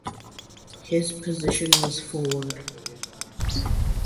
His position was forward.